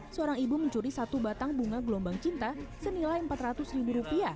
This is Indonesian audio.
seorang ibu mencuri satu batang bunga gelombang cinta senilai rp empat ratus